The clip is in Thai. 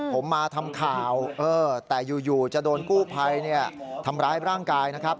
ผมมาทำข่าวแต่อยู่จะโดนกู้ภัยทำร้ายร่างกายนะครับ